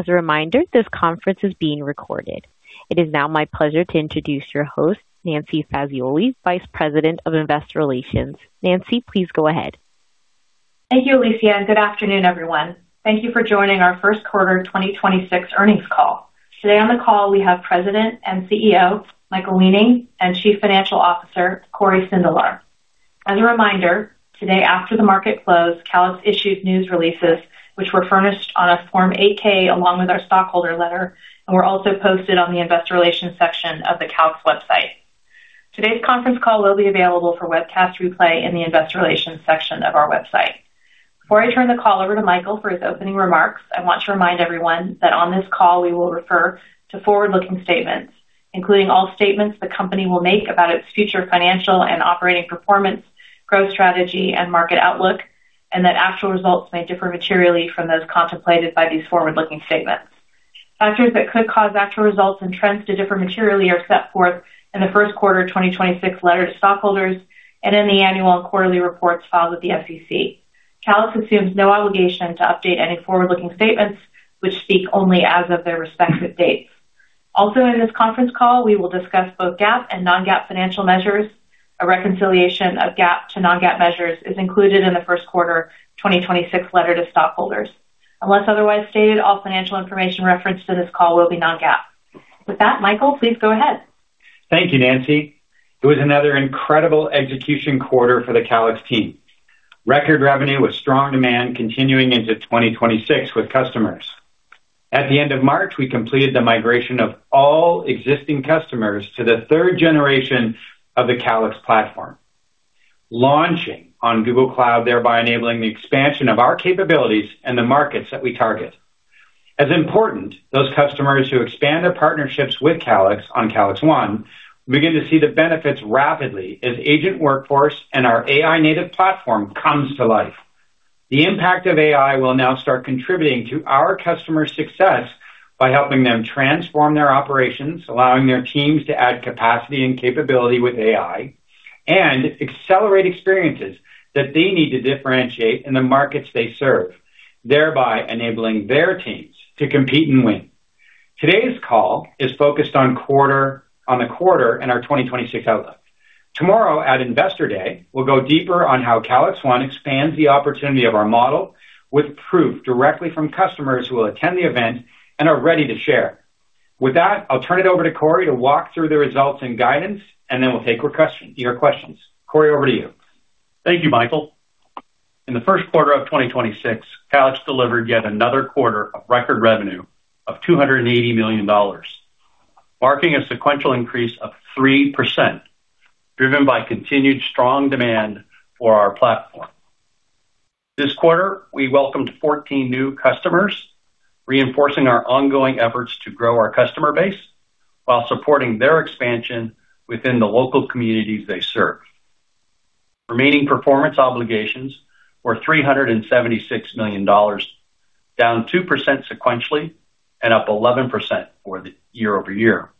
As a reminder, this conference is being recorded. It is now my pleasure to introduce your host, Nancy Fazioli, Vice President of Investor Relations. Nancy, please go ahead. Thank you, Alicia, and good afternoon, everyone. Thank you for joining our first quarter 2026 earnings call. Today on the call, we have President and CEO, Michael Weening, and Chief Financial Officer, Cory Sindelar. As a reminder, today after the market closed, Calix issued news releases, which were furnished on a Form 8-K along with our stockholder letter, and were also posted on the investor relations section of the Calix website. Today's conference call will be available for webcast replay in the investor relations section of our website. Before I turn the call over to Michael for his opening remarks, I want to remind everyone that on this call we will refer to forward-looking statements, including all statements the company will make about its future financial and operating performance, growth strategy, and market outlook, and that actual results may differ materially from those contemplated by these forward-looking statements. Factors that could cause actual results and trends to differ materially are set forth in the first quarter 2026 letter to stockholders and in the annual and quarterly reports filed with the SEC. Calix assumes no obligation to update any forward-looking statements which speak only as of their respective dates. Also in this conference call, we will discuss both GAAP and non-GAAP financial measures. A reconciliation of GAAP to non-GAAP measures is included in the first quarter 2026 letter to stockholders. Unless otherwise stated, all financial information referenced to this call will be non-GAAP. With that, Michael, please go ahead. Thank you, Nancy. It was another incredible execution quarter for the Calix team. Record revenue, with strong demand continuing into 2026 with customers. At the end of March, we completed the migration of all existing customers to the third generation of the Calix platform, launch on Google Cloud, thereby enabling the expansion of our capabilities and the markets that we target. As important, those customers who expand their partnerships with Calix on Calix One begin to see the benefits rapidly as Agent Workforce and our AI-native platform comes to life. The impact of AI will now start contributing to our customers' success by helping them transform their operations, allowing their teams to add capacity and capability with AI, and accelerate experiences that they need to differentiate in the markets they serve, thereby enabling their teams to compete and win. Today's call is focused on the quarter and our 2026 outlook. Tomorrow at Investor Day, we'll go deeper on how Calix One expands the opportunity of our model with proof directly from customers who will attend the event and are ready to share. With that, I'll turn it over to Cory to walk through the results and guidance, and then we'll take your questions. Cory, over to you. Thank you, Michael. In the first quarter of 2026, Calix delivered yet another quarter of record revenue of $280 million, marking a sequential increase of 3%, driven by continued strong demand for our platform. This quarter, we welcomed 14 new customers, reinforcing our ongoing efforts to grow our customer base while supporting their expansion within the local communities they serve. Remaining performance obligations were $376 million, down 2% sequentially and up 11% year-over-year.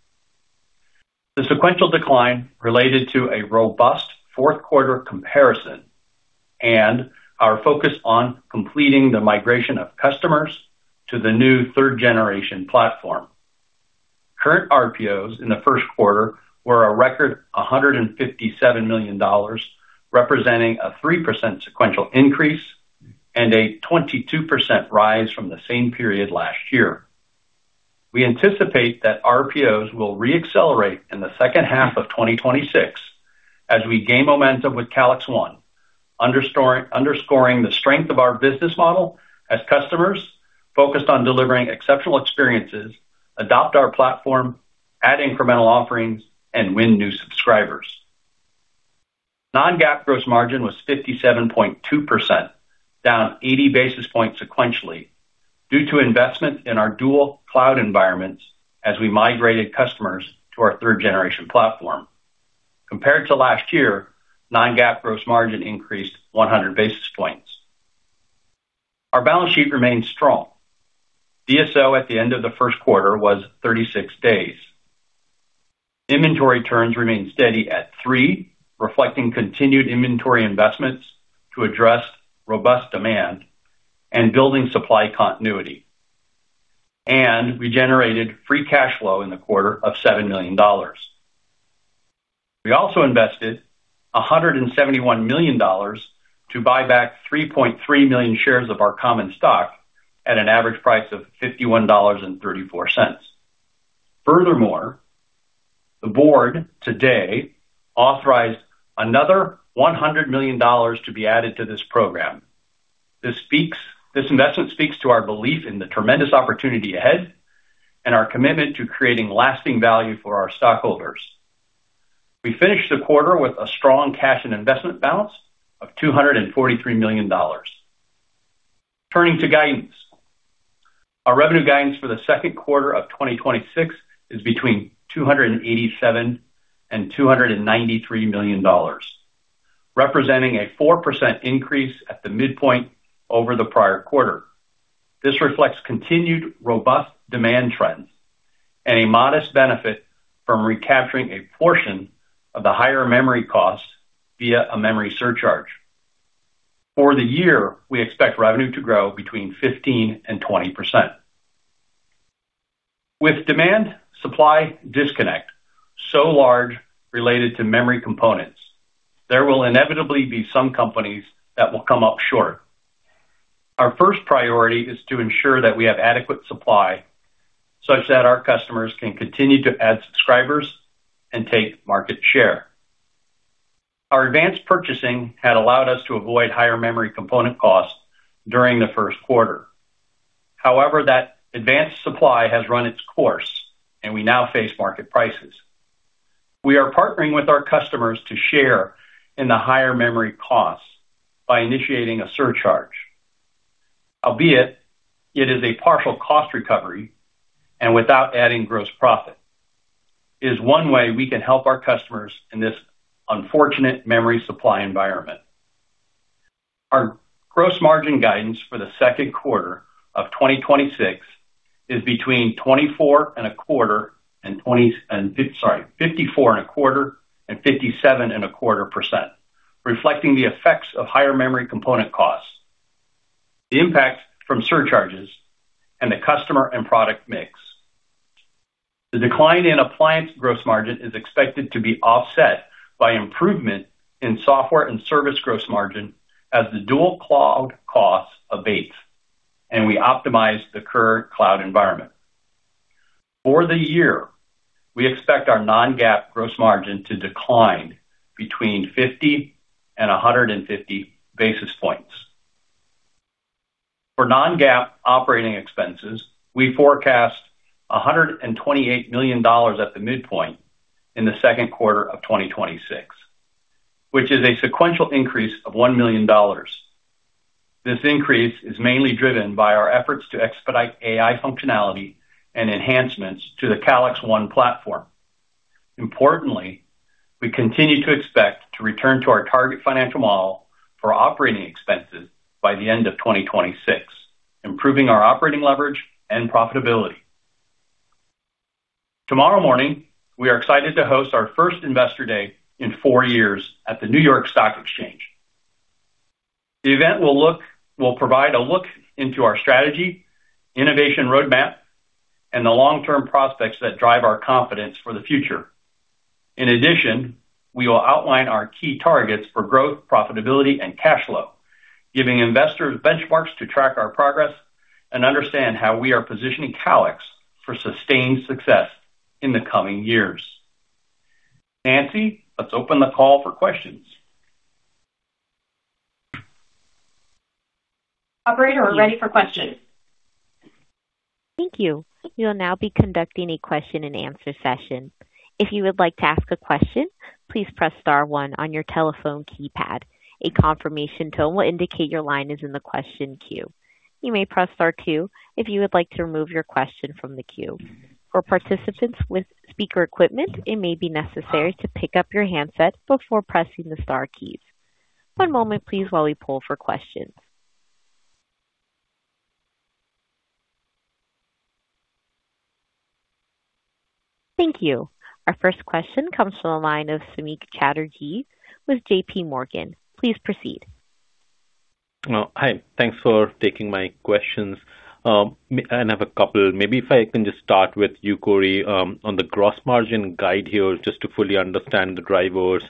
The sequential decline related to a robust fourth quarter comparison and our focus on completing the migration of customers to the new third generation platform. Current RPOs in the first quarter were a record $157 million, representing a 3% sequential increase and a 22% rise from the same period last year. We anticipate that RPOs will re-accelerate in the second half of 2026 as we gain momentum with Calix One, underscoring the strength of our business model as customers focused on delivering exceptional experiences, adopt our platform, add incremental offerings, and win new subscribers. non-GAAP gross margin was 57.2%, down 80 basis points sequentially due to investment in our dual cloud environments as we migrated customers to our third generation platform. Compared to last year, non-GAAP gross margin increased 100 basis points. Our balance sheet remains strong. DSO at the end of the first quarter was 36 days. Inventory turns remained steady at three, reflecting continued inventory investments to address robust demand and building supply continuity, and we generated free cash flow in the quarter of $7 million. We also invested $171 million to buy back 3.3 million shares of our common stock at an average price of $51.34. Furthermore, the board today authorized another $100 million to be added to this program. This investment speaks to our belief in the tremendous opportunity ahead and our commitment to creating lasting value for our stockholders. We finished the quarter with a strong cash and investment balance of $243 million. Turning to guidance. Our revenue guidance for the second quarter of 2026 is between $287 million and $293 million, representing a 4% increase at the midpoint over the prior quarter. This reflects continued robust demand trends and a modest benefit from recapturing a portion of the higher memory costs via a memory surcharge. For the year, we expect revenue to grow between 15% and 20%. With demand supply disconnect so large related to memory components, there will inevitably be some companies that will come up short. Our first priority is to ensure that we have adequate supply such that our customers can continue to add subscribers and take market share. Our advanced purchasing had allowed us to avoid higher memory component costs during the first quarter. However, that advanced supply has run its course and we now face market prices. We are partnering with our customers to share in the higher memory costs by initiating a surcharge. Albeit it is a partial cost recovery, and without adding gross profit, is one way we can help our customers in this unfortunate memory supply environment. Our gross margin guidance for the second quarter of 2026 is between 54.25% and 57.25%, reflecting the effects of higher memory component costs, the impact from surcharges, and the customer and product mix. The decline in appliance gross margin is expected to be offset by improvement in software and service gross margin as the dual cloud costs abate, and we optimize the current cloud environment. For the year, we expect our non-GAAP gross margin to decline between 50 and 150 basis points. For non-GAAP operating expenses, we forecast $128 million at the midpoint in the second quarter of 2026, which is a sequential increase of $1 million. This increase is mainly driven by our efforts to expedite AI functionality and enhancements to the Calix One platform. Importantly, we continue to expect to return to our target financial model for operating expenses by the end of 2026, improving our operating leverage and profitability. Tomorrow morning, we are excited to host our first Investor Day in four years at the New York Stock Exchange. The event will provide a look into our strategy, innovation roadmap, and the long-term prospects that drive our confidence for the future. In addition, we will outline our key targets for growth, profitability and cash flow, giving investors benchmarks to track our progress and understand how we are positioning Calix for sustained success in the coming years. Nancy, let's open the call for questions. Operator, we're ready for questions. Thank you. We will now be conducting a question and answer session. If you would like to ask a question, please press star one on your telephone keypad. A confirmation tone will indicate your line is in the question queue. You may press star two if you would like to remove your question from the queue. For participants with speaker equipment, it may be necessary to pick up your handset before pressing the star keys. One moment please while we poll for questions. Thank you. Our first question comes from the line of Samik Chatterjee with JPMorgan. Please proceed. Hi. Thanks for taking my questions. I have a couple. Maybe if I can just start with you, Cory, on the gross margin guide here, just to fully understand the drivers.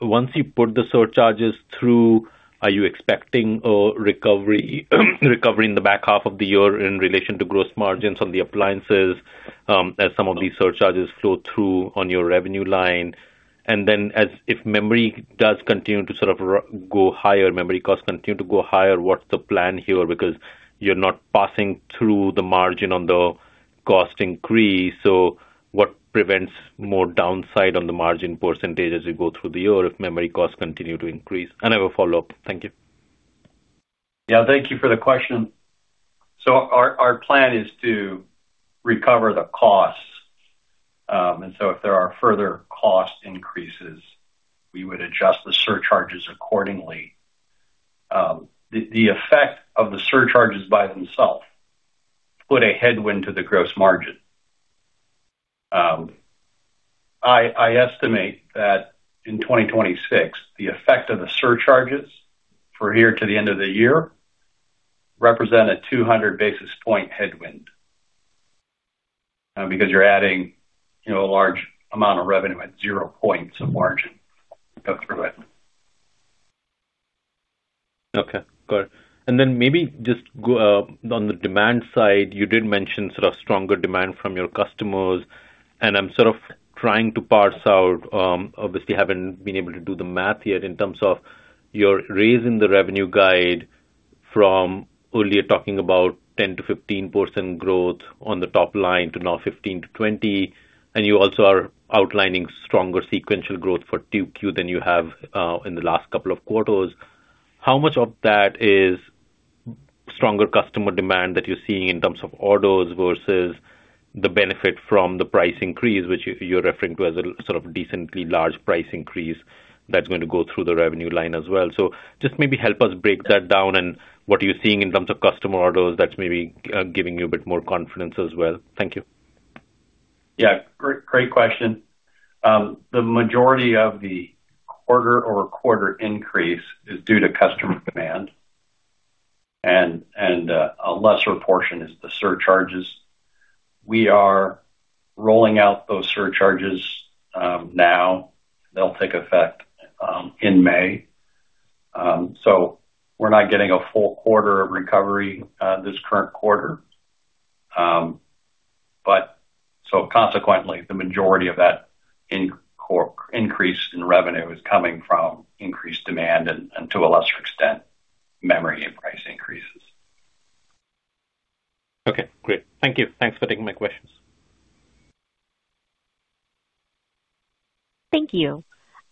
Once you put the surcharges through, are you expecting a recovery in the back half of the year in relation to gross margins on the appliances as some of these surcharges flow through on your revenue line? And then if memory does continue to sort of go higher, memory costs continue to go higher, what's the plan here? Because you're not passing through the margin on the cost increase. So what prevents more downside on the margin percentage as we go through the year if memory costs continue to increase? I will follow up. Thank you. Yeah. Thank you for the question. Our plan is to recover the costs, and so if there are further cost increases, we would adjust the surcharges accordingly. The effect of the surcharges by themselves put a headwind to the gross margin. I estimate that in 2026, the effect of the surcharges from here to the end of the year represent a 200 basis point headwind, because you're adding a large amount of revenue at zero points of margin to go through it. Okay, got it. Then maybe just on the demand side, you did mention sort of stronger demand from your customers, and I'm sort of trying to parse out, obviously haven't been able to do the math yet in terms of you're raising the revenue guide from earlier talking about 10%-15% growth on the top line to now 15%-20%. You also are outlining stronger sequential growth for 2Q than you have in the last couple of quarters. How much of that is stronger customer demand that you're seeing in terms of orders versus the benefit from the price increase, which you're referring to as a sort of decently large price increase that's going to go through the revenue line as well? Just maybe help us break that down and what you're seeing in terms of customer orders that's maybe giving you a bit more confidence as well. Thank you. Yeah. Great question. The majority of the quarter-over-quarter increase is due to customer demand, and a lesser portion is the surcharges. We are rolling out those surcharges now. They'll take effect in May. We're not getting a full quarter of recovery this current quarter. Consequently, the majority of that increase in revenue is coming from increased demand and to a lesser extent, memory and price increases. Okay, great. Thank you. Thanks for taking my questions. Thank you.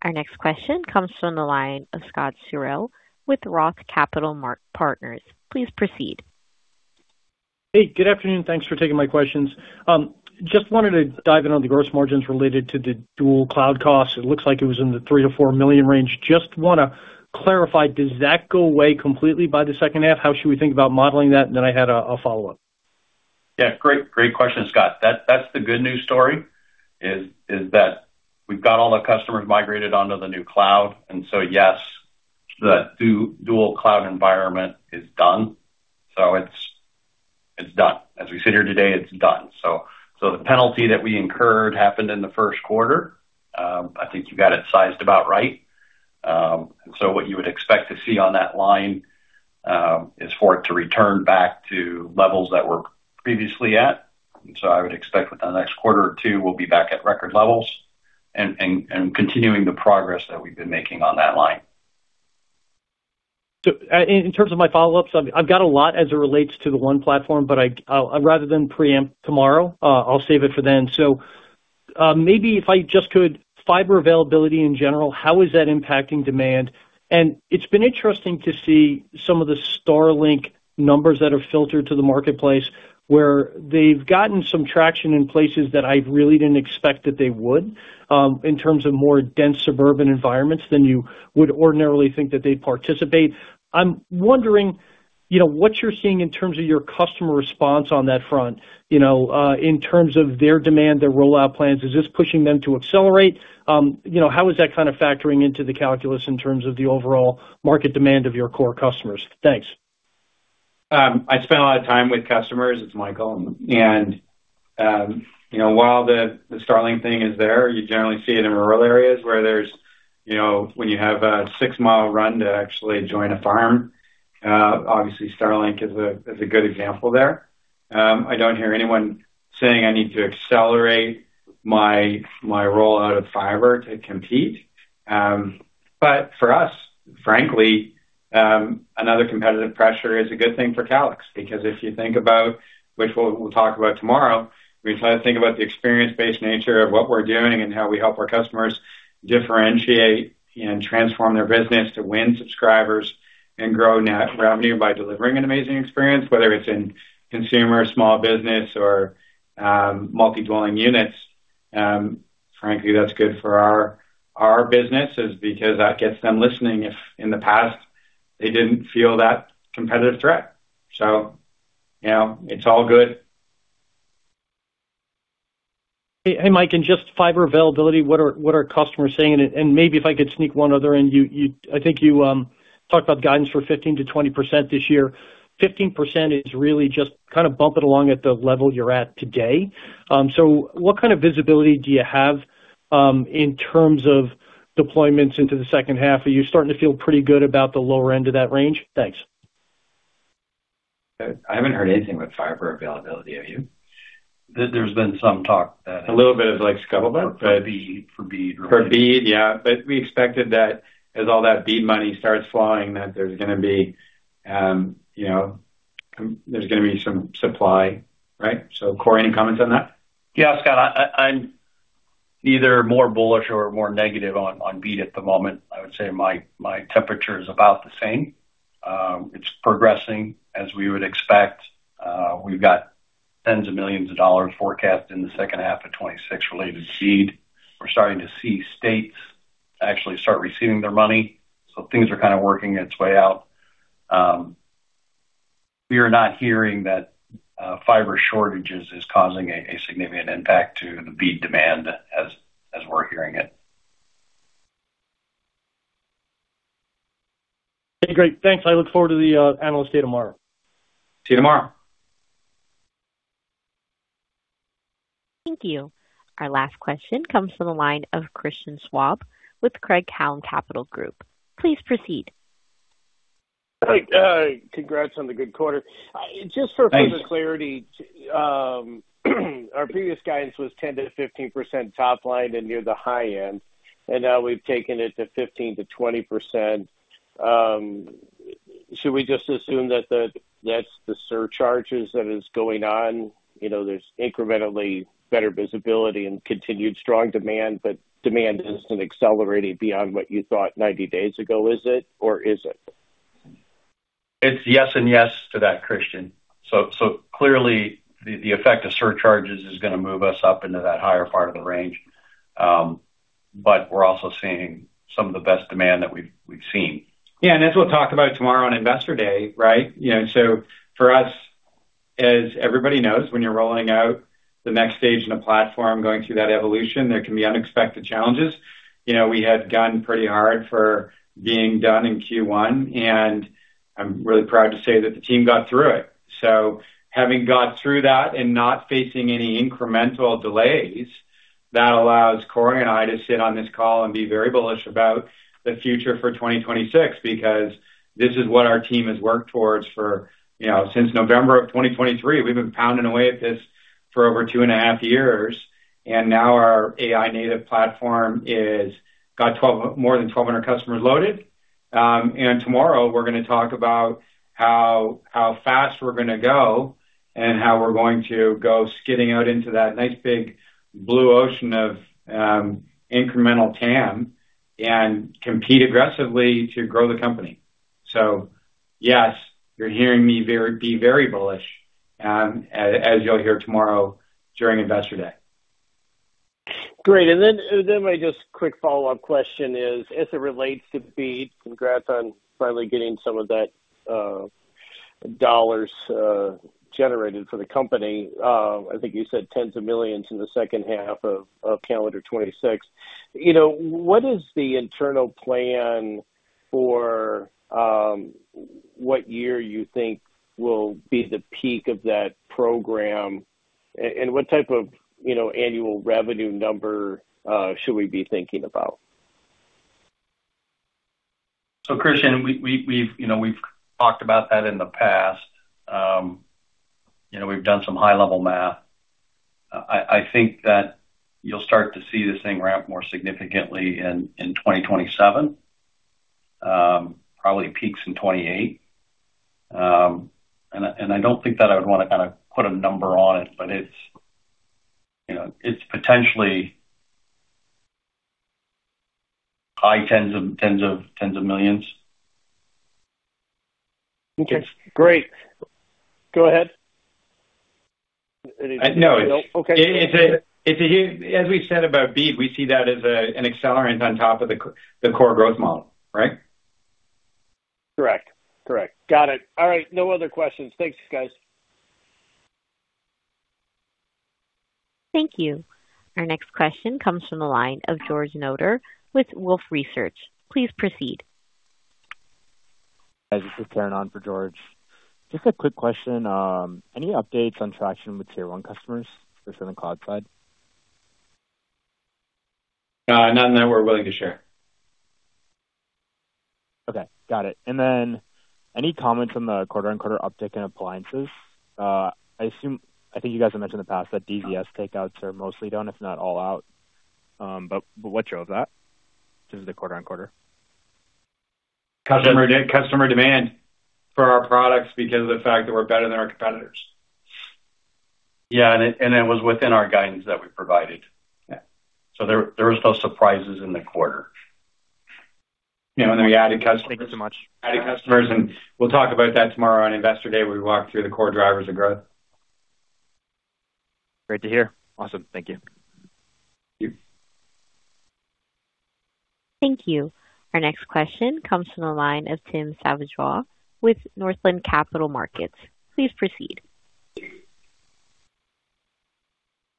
Our next question comes from the line of Scott Searle with Roth Capital Partners. Please proceed. Hey, good afternoon. Thanks for taking my questions. Just wanted to dive in on the gross margins related to the dual cloud costs. It looks like it was in the $3 million-$4 million range. Just want to clarify, does that go away completely by the second half? How should we think about modeling that? I had a follow-up. Yeah. Great question, Scott. That's the good news story, is that we've got all the customers migrated onto the new cloud. Yes, the dual cloud environment is done. It's done. As we sit here today, it's done. The penalty that we incurred happened in the first quarter. I think you got it sized about right. What you would expect to see on that line, is for it to return back to levels that were previously at. I would expect within the next quarter or two, we'll be back at record levels and continuing the progress that we've been making on that line. In terms of my follow-ups, I've got a lot as it relates to the One platform, but rather than preempt tomorrow, I'll save it for then. Maybe if I just could, fiber availability in general, how is that impacting demand? It's been interesting to see some of the Starlink numbers that are filtered to the marketplace, where they've gotten some traction in places that I really didn't expect that they would, in terms of more dense suburban environments than you would ordinarily think that they'd participate. I'm wondering what you're seeing in terms of your customer response on that front, in terms of their demand, their rollout plans. Is this pushing them to accelerate? How is that kind of factoring into the calculus in terms of the overall market demand of your core customers? Thanks. I spend a lot of time with customers. It's Michael. While the Starlink thing is there, you generally see it in rural areas where, when you have a six-mile run to actually join a farm. Obviously Starlink is a good example there. I don't hear anyone saying I need to accelerate my roll out of fiber to compete. For us, frankly, another competitive pressure is a good thing for Calix because if you think about, which we'll talk about tomorrow, we try to think about the experience-based nature of what we're doing and how we help our customers differentiate and transform their business to win subscribers and grow net revenue by delivering an amazing experience, whether it's in consumer, small business, or multi-dwelling units. Frankly, that's good for our business because that gets them listening if in the past they didn't feel that competitive threat. It's all good. Hey, Mike. Just fiber availability, what are customers saying? Maybe if I could sneak one other in. I think you talked about guidance for 15%-20% this year. 15% is really just kind of bumping along at the level you're at today. What kind of visibility do you have, in terms of deployments into the second half? Are you starting to feel pretty good about the lower end of that range? Thanks. I haven't heard anything about fiber availability. Have you? There's been some talk that. A little bit of like scuttlebutt? For BEAD related. For BEAD, yeah. We expected that as all that BEAD money starts flowing, that there's going to be some supply, right? Cory, any comments on that? Yeah, Scott, I'm either more bullish or more negative on BEAD at the moment. I would say my temperature is about the same. It's progressing as we would expect. We've got tens of millions of dollar forecast in the second half of 2026 related to BEAD. We're starting to see states actually start receiving their money. Things are kind of working its way out. We are not hearing that fiber shortages is causing a significant impact to the BEAD demand as we're hearing it. Okay, great. Thanks. I look forward to the analyst day tomorrow. See you tomorrow. Thank you. Our last question comes from the line of Christian Schwab with Craig-Hallum Capital Group. Please proceed. Hi. Congrats on the good quarter. Thanks. Just for further clarity, our previous guidance was 10%-15% top line and near the high end, and now we've taken it to 15%-20%. Should we just assume that the surcharges that is going on, there's incrementally better visibility and continued strong demand, but demand isn't accelerating beyond what you thought 90 days ago, is it, or isn't it? It's yes and yes to that, Christian. Clearly the effect of surcharges is going to move us up into that higher part of the range. We're also seeing some of the best demand that we've seen. Yeah, as we'll talk about tomorrow on Investor Day, right? For us, as everybody knows, when you're rolling out the next stage in a platform, going through that evolution, there can be unexpected challenges. We had gone pretty hard for being done in Q1, and I'm really proud to say that the team got through it. Having got through that and not facing any incremental delays, that allows Cory and I to sit on this call and be very bullish about the future for 2026, because this is what our team has worked towards since November of 2023. We've been pounding away at this for over two and a half years, and now our AI-native platform has got more than 1,200 customers loaded. Tomorrow we're going to talk about how fast we're going to go and how we're going to go skidding out into that nice big blue ocean of incremental TAM and compete aggressively to grow the company. Yes, you're hearing me be very bullish, as you'll hear tomorrow during Investor Day. Great. Maybe just a quick follow-up question is as it relates to BEAD, congrats on finally getting some of that dollars generated for the company. I think you said tens of millions in the second half of calendar 2026. What is the internal plan for what year you think will be the peak of that program? And what type of annual revenue number should we be thinking about? Christian, we've talked about that in the past. We've done some high-level math. I think that you'll start to see this thing ramp more significantly in 2027, probably peaks in 2028. I don't think that I would want to put a number on it, but it's potentially high tens of millions. Okay, great. Go ahead. No. Okay. As we've said about BEAD, we see that as an accelerant on top of the core growth model, right? Correct. Got it. All right. No other questions. Thanks, guys. Thank you. Our next question comes from the line of George Notter with Wolfe Research. Please proceed. This is Terren on for George. Just a quick question. Any updates on traction with tier one customers, especially on the cloud side? None that we're willing to share. Okay, got it. Any comment on the quarter-over-quarter uptick in appliances? I think you guys have mentioned in the past that DZS takeouts are mostly done, if not all out. What drove that? Just the quarter-over-quarter. Customer demand for our products because of the fact that we're better than our competitors. Yeah, it was within our guidance that we provided. There was no surprises in the quarter. We added customers- Thank you so much. Added customers, and we'll talk about that tomorrow on Investor Day when we walk through the core drivers of growth. Great to hear. Awesome. Thank you. Thank you. Thank you. Our next question comes from the line of Tim Savageaux with Northland Capital Markets. Please proceed.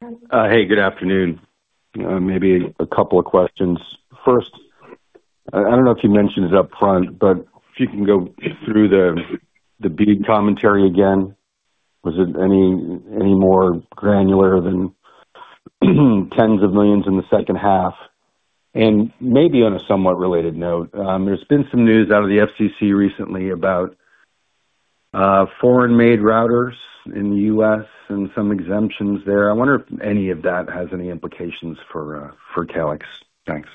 Hey, good afternoon. Maybe a couple of questions. First, I don't know if you mentioned it up front, but if you can go through the BEAD commentary again. Was it any more granular than tens of millions in the second half? Maybe on a somewhat related note, there's been some news out of the FCC recently about foreign-made routers in the U.S. and some exemptions there. I wonder if any of that has any implications for Calix. Thanks.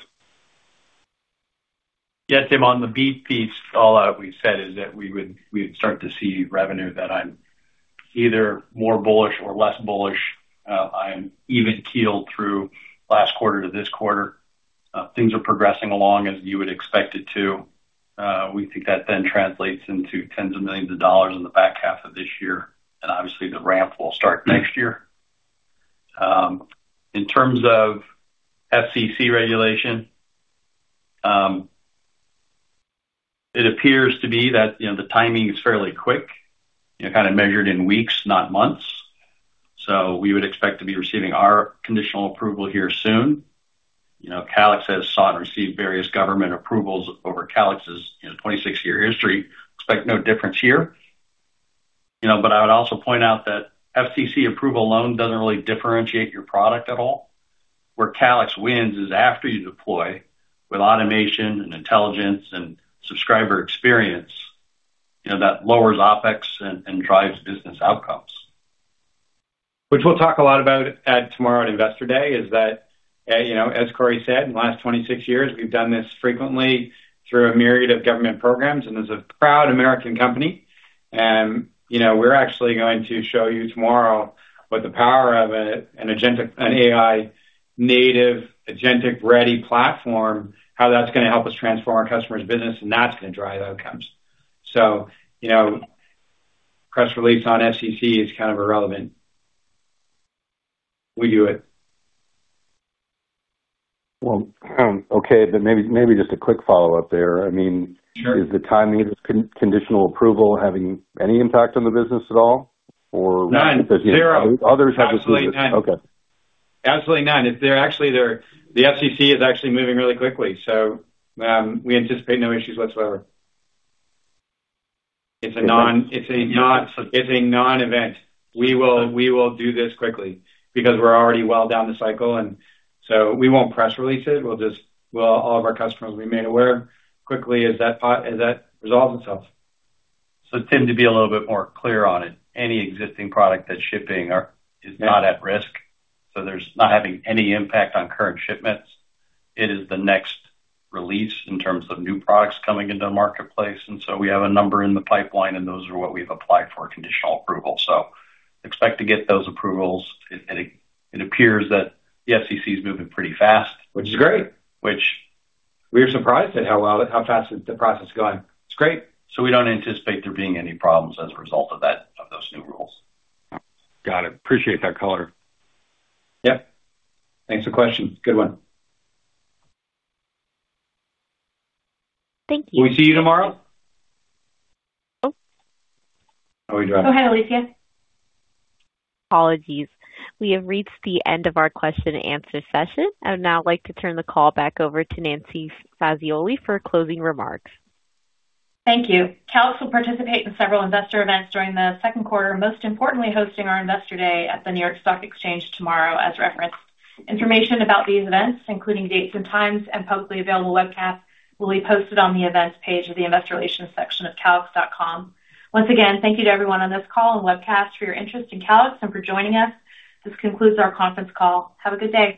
Yeah, Tim, on the BEAD piece, all we've said is that we would start to see revenue that I'm either more bullish or less bullish. I am even keeled through last quarter to this quarter. Things are progressing along as you would expect it to. We think that then translates into tens of millions in the back half of this year, and obviously the ramp will start next year. In terms of FCC regulation, it appears to be that the timing is fairly quick, kind of measured in weeks, not months. We would expect to be receiving our conditional approval here soon. Calix has sought and received various government approvals over Calix's 26-year history. Expect no difference here. I would also point out that FCC approval alone doesn't really differentiate your product at all. Where Calix wins is after you deploy, with automation and intelligence and subscriber experience, that lowers OpEx and drives business outcomes. Which we'll talk a lot about tomorrow at Investor Day, is that, as Cory said, in the last 26 years, we've done this frequently through a myriad of government programs, and as a proud American company, we're actually going to show you tomorrow what the power of an AI-native agentic-ready platform, how that's going to help us transform our customers' business, and that's going to drive outcomes. Press release on FCC is kind of irrelevant. We do it. Well, okay. Maybe just a quick follow-up there. Sure. Is the timing of conditional approval having any impact on the business at all? None. Zero. Others have- Absolutely none. Okay. Absolutely none. The FCC is actually moving really quickly, so we anticipate no issues whatsoever. It's a non-event. We will do this quickly because we're already well down the cycle, and so we won't press release it. All of our customers will be made aware quickly as that resolves itself. Tim, to be a little bit more clear on it, any existing product that's shipping is not at risk, so it's not having any impact on current shipments. It is the next release in terms of new products coming into the marketplace, and so we have a number in the pipeline, and those are what we've applied for conditional approval. Expect to get those approvals. It appears that the FCC is moving pretty fast. Which is great. We are surprised at how fast the process is going. It's great. We don't anticipate there being any problems as a result of those new rules. Got it. Appreciate that color. Yep. Thanks for the question. Good one. Thank you. Will we see you tomorrow? Oh. Are we driving? Go ahead, Alicia. Apologies. We have reached the end of our question and answer session. I would now like to turn the call back over to Nancy Fazioli for closing remarks. Thank you. Calix will participate in several investor events during the second quarter, most importantly, hosting our Investor Day at the New York Stock Exchange tomorrow, as referenced. Information about these events, including dates and times and publicly available webcasts, will be posted on the events page of the investor relations section of calix.com. Once again, thank you to everyone on this call and webcast for your interest in Calix and for joining us. This concludes our conference call. Have a good day.